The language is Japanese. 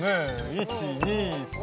１２３。